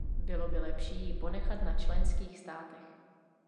Bylo by lepší ji ponechat na členských státech.